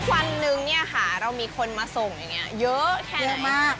วันนึงค่ะเรามีคนมาส่งอย่างนี้เยอะแค่นั้น